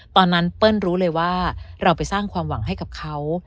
เปิ้ลรู้เลยว่าเราไปสร้างความหวังให้กับเขา